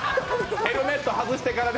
ヘルメット外してからね。